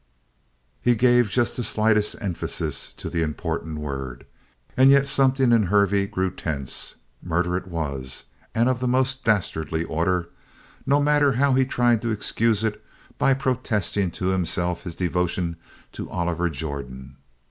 He gave just the slightest emphasis to the important word, and yet something in Hervey grew tense. Murder it was, and of the most dastardly order, no matter how he tried to excuse it by protesting to himself his devotion to Oliver Jordan.